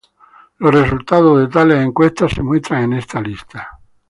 Los resultados de tales encuestas se muestran en esta lista.